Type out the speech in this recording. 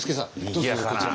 どうぞこちら。